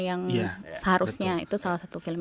yang seharusnya itu salah satu film